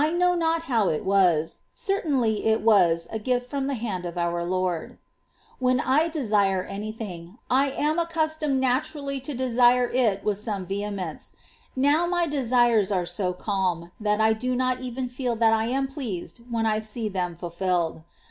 I know not how it was ; certainly it was a gift from the hand of our Lord. 10. When I desire any thins:, I am accustomed ^°' Desu es. naturally to desire it with some vehemence ; now my desires are so calm, that I do not even feel that I am pleased when I see them fulfilled.